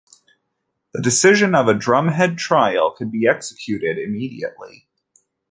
The decision of a drumhead trial could be executed immediately.